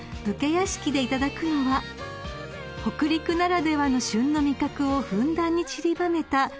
武家屋敷でいただくのは北陸ならではの旬な味覚をふんだんにちりばめた